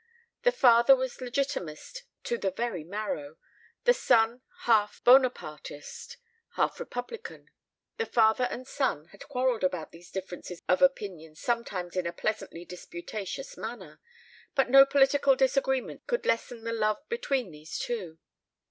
The father was Legitimist to the very marrow; the son half Buonapartist, half republican. The father and son had quarrelled about these differences of opinion sometimes in a pleasantly disputatious manner; but no political disagreement could lesser the love between these two.